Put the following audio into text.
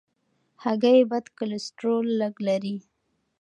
هګۍ بد کلسترول لږ لري.